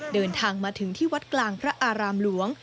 เดินทางมาถึงที่วัดกลางพระอารามหลวง